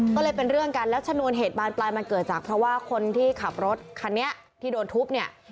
ก็เลยเป็นเรื่องกันแล้วชนวนเหตุบานปลายมันเกิดจากเพราะว่าคนที่ขับรถคันนี้ที่โดนทุบเนี่ย